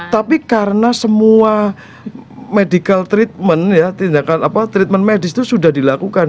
tapi karena semua medical treatment ya tindakan apa treatment medis itu sudah dilakukan